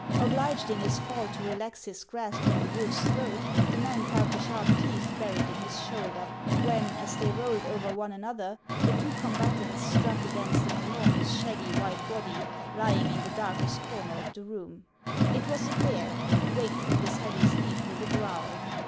Obliged in his fall to relax his grasp of the wolfs throat, the man felt the sharp teeth buried in his shoul der, when, as they rolled over one another, the two com batants struck against an enormous shaggy white body HANS OF ICELAND. 277 lying in the darkest corner of the room. It was a bear, who waked from his heavy sleep with a growl.